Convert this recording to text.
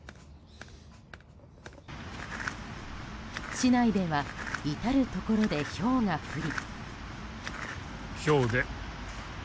市内では至るところでひょうが降り。